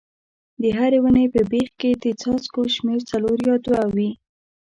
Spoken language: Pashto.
د هرې ونې په بیخ کې د څاڅکو شمېر څلور یا دوه وي.